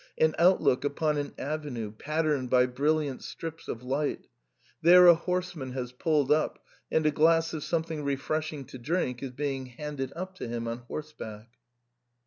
An outlook upon an avenue, patterned by brilliant strips of light ! There a horseman has pulled up, and a glass of something re freshing to drink is being handed up to him on horse back.